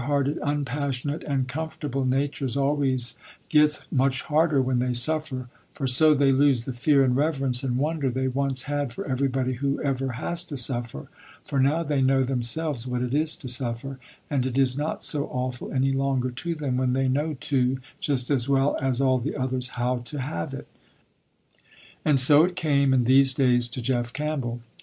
Tender hearted, unpassionate, and comfortable natures always get much harder when they suffer, for so they lose the fear and reverence and wonder they once had for everybody who ever has to suffer, for now they know themselves what it is to suffer and it is not so awful any longer to them when they know too, just as well as all the others, how to have it. And so it came in these days to Jeff Campbell.